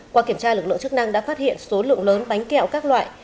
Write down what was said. qua kiểm tra lực lượng chức năng đã phát hiện số lượng lớn bánh kẹo các loại